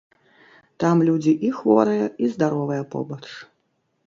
Там людзі і хворыя, і здаровыя побач.